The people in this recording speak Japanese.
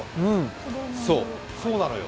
そう、そうなのよ。